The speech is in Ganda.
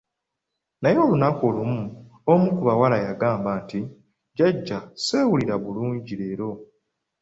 Naye olunaku lumu, omu ku bawala yagamba nti, jjaja, sewulila bulungi leero.